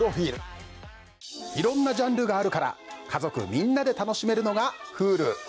いろんなジャンルがあるから家族みんなで楽しめるのがＨｕｌｕ。